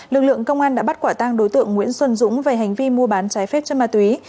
lực lượng công an đã bắt quả tang đối tượng nguyễn xuân dũng về hành vi mua bán trái phép chất ma túy